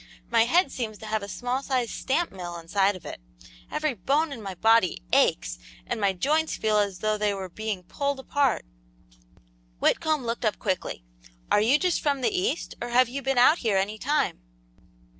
"My head seems to have a small sized stamp mill inside of it; every bone in my body aches, and my joints feel as though they were being pulled apart." Whitcomb looked up quickly. "Are you just from the East, or have you been out here any time?"